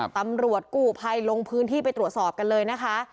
ตำรวจกู้ภัยลงพื้นที่ไปตรวจสอบกันเลยนะคะ